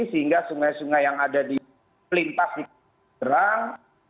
sehingga sungai sungai yang ada di pelintas di gerang